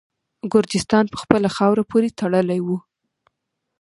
ګرجستان په خپله خاوره پوري تړلی وو.